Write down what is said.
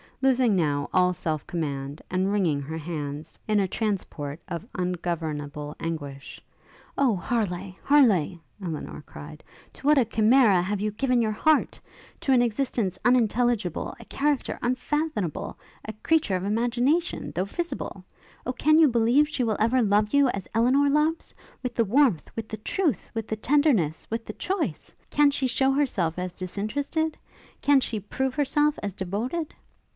Losing now all self command, and wringing her hands, in a transport of ungovernable anguish, 'Oh, Harleigh! Harleigh!' Elinor cried, 'to what a chimera you have given your heart! to an existence unintelligible, a character unfathomable, a creature of imagination, though visible! O, can you believe she will ever love you as Elinor loves? with the warmth, with the truth, with the tenderness, with the choice? can she show herself as disinterested? can she prove herself as devoted?